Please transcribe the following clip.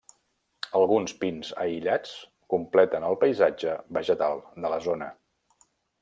Alguns pins aïllats completen el paisatge vegetal de la zona.